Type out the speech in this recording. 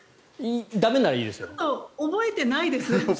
覚えてないです。